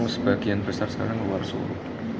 sebagian besar sekarang luar solo